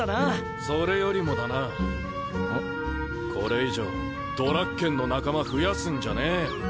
それよりもだなこれ以上ドラッケンの仲間増やすんじゃねえよ。